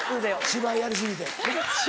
「芝居やり過ぎ」。